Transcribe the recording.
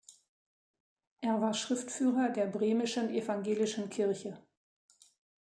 Er war Schriftführer der Bremischen Evangelischen Kirche.